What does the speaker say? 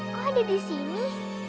kok ada di sini